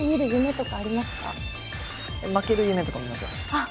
あっ！